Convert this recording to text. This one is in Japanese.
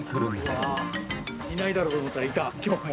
いないだろうと思ったらいた今日も。